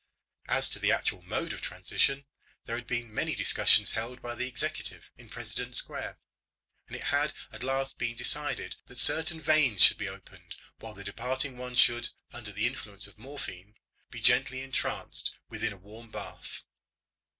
As to the actual mode of transition, there had been many discussions held by the executive in President Square, and it had at last been decided that certain veins should be opened while the departing one should, under the influence of morphine, be gently entranced within a warm bath.